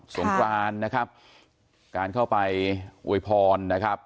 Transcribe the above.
งกรานนะครับการเข้าไปอวยพรนะครับ